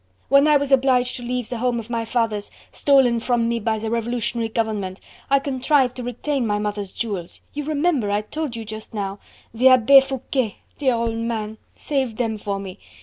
When I was obliged to leave the home of my fathers, stolen from me by the Revolutionary Government I contrived to retain my mother's jewels... you remember, I told you just now.... The Abbe Foucquet dear old man! Saved them for me...